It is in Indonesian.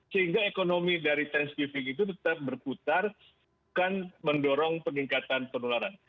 sehingga ekonomi dari tes giving itu tetap berputar bukan mendorong peningkatan penularan